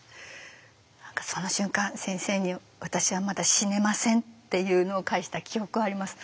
何かその瞬間先生に「私はまだ死ねません」っていうのを返した記憶はあります。